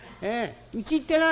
うち行ってな。